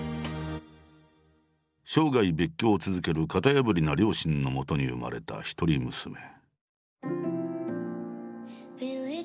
生涯別居を続ける型破りな両親のもとに生まれた一人娘。